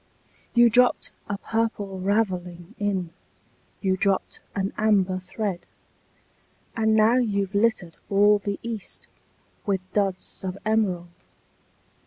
You dropped a Purple Ravelling in You dropped an Amber thread And now you've littered all the east With Duds of Emerald!